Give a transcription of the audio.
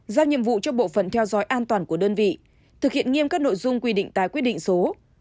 giao nhiệm vụ cho bộ phận theo dõi an toàn của đơn vị thực hiện nghiêm các nội dung quy định tài quyết định số một nghìn bảy trăm bảy mươi bảy